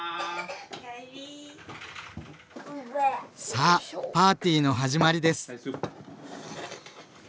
さあパーティーの始まりです！